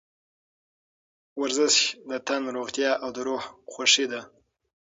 ورزش د تن روغتیا او د روح خوښي ده.